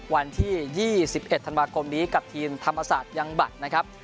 วันที่๒๑ธันวาคมนี้กับทีมธรรมศาสตร์ยังบัตรนะครับ